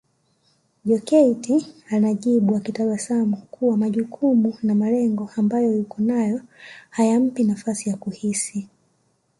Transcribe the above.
Jokate anajibu akitabasamu kuwa majukumu na malengo ambayo yuko nayo hayampi nafasi ya kuhisi